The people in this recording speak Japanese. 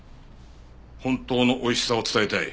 本当のおいしさを伝えたい。